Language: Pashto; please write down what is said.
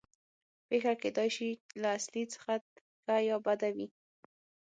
پېښه کېدای شي له اصلي څخه ښه یا بده وي